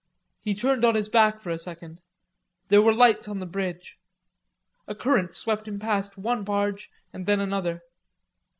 He turned on his back for a second. There were lights on the bridge. A current swept him past one barge and then another.